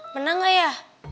menang gak ya